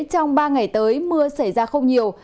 trong ba ngày tới mưa xảy ra không nhiều